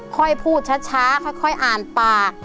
ค่อยพูดช้าค่อยอ่านปาก